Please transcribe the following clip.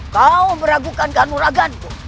kau meragukan kanuraganku